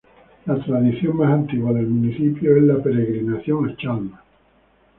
La tradición más antigua del municipio es la peregrinación a Chalma.